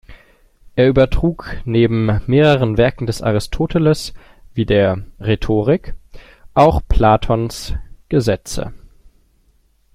Er übertrug neben mehreren Werken des Aristoteles wie der "Rhetorik" auch Platons "Gesetze".